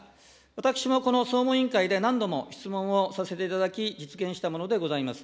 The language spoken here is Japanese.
私もこの総務委員会で何度も質問をさせていただき、実現したものでございます。